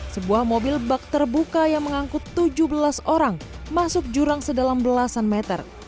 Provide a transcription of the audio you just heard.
sebuah mobil bak terbuka yang mengangkut tujuh belas orang masuk jurang sedalam belasan meter